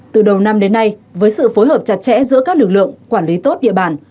từ đầu năm đến nay với sự phối hợp chặt chẽ giữa các lực lượng quản lý tốt địa bàn